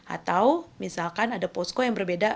atau misalkan ada posko yang berbeda